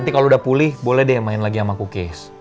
nanti kalau udah pulih boleh deh main lagi sama cookies